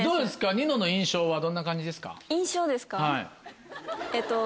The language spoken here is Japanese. ニノの印象はどんな感じですか？